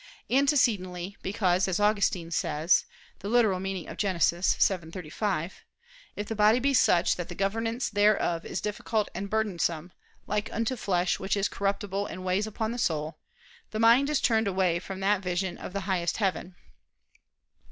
Antecedently, because, as Augustine says (Gen. ad lit. xii, 35), "if the body be such, that the governance thereof is difficult and burdensome, like unto flesh which is corruptible and weighs upon the soul, the mind is turned away from that vision of the highest heaven."